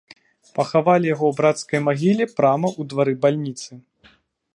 Пахавалі яго ў брацкай магіле прама ў двары бальніцы.